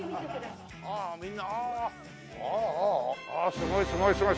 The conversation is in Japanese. すごいすごいすごい！